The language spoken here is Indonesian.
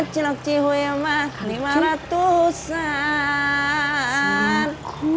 cilok cihoyama lima ratusan